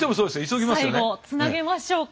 最後つなげましょうか。